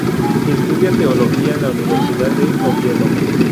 Estudia teología en la Universidad de Oviedo.